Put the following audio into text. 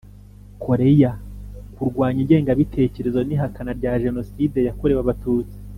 Koreya kurwanya ingengabitekerezo n ihakana bya jenoside yakorewe abatutsi